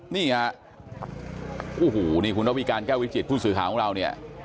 นี่ฮะโอ้โหนี่คุณระวิการแก้ววิจิตผู้สื่อข่าวของเราเนี่ย